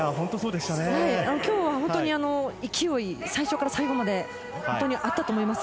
今日は本当に勢いが最初から最後まであったと思います。